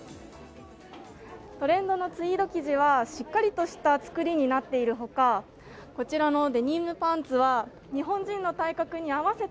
トレンドのツイード生地はしっかりとした作りになっている他こちらのデニムパンツは日本人の体格に合わせた